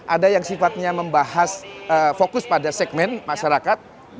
ada yang sifatnya membahas fokus pada segmen masyarakat